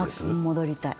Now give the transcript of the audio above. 戻りたい。